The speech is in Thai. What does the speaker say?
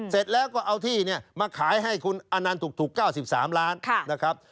เสร็จแล้วก็เอาที่เนี่ยมาขายให้คุณอนันต์ถูก๙๓ล้านนะครับ